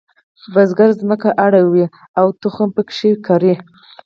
بزګر ځمکه یوي کوي او پکې تخم شیندي.